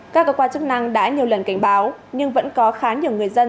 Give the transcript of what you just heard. các cơ quan chức năng đã nhiều lần cảnh báo nhưng vẫn có khá nhiều người dân